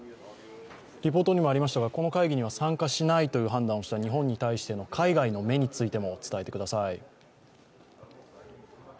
リポートにもありましたが、この会議には参加をしないと判断をした日本に対して海外の目についても伝えてください。